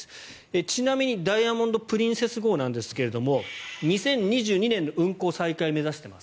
ちなみに、「ダイヤモンド・プリンセス号」なんですけれども２０２２年の運航再開を目指しています。